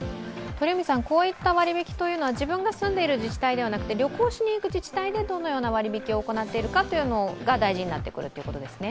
こういった割引きというのは自分が住んでいる自治体ではなく旅行しにいく自治体でどのような割引を行っているかが大事になってくるということですね？